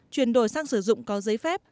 chuyển đổi sang sử dụng có giấy phép